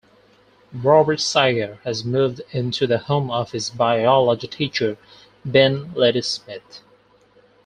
Robert Cigar has moved into the home of his biology teacher, Ben Ladysmith.